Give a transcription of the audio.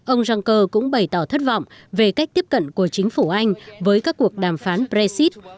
ông juncker cũng bày tỏ thất vọng về cách tiếp cận của chính phủ anh với các cuộc đàm phán brexit